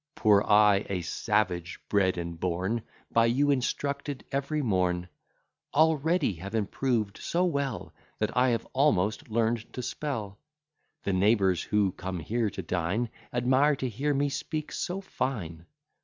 Poor I, a savage bred and born, By you instructed every morn, Already have improved so well, That I have almost learnt to spell: The neighbours who come here to dine, Admire to hear me speak so fine.